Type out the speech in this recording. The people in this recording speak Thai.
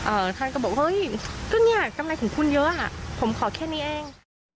ท่านก็บอกเฮ้ยก็เนี่ยกำไรของคุณเยอะอ่ะผมขอแค่นี้เอง